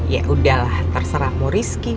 ya udahlah terserah mau rizky